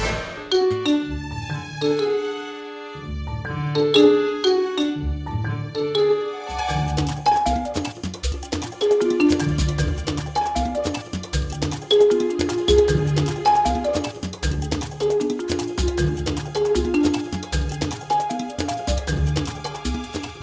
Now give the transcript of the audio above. tolong dengarkan ustadz ya